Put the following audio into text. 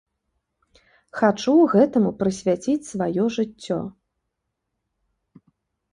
Хачу гэтаму прысвяціць сваё жыццё.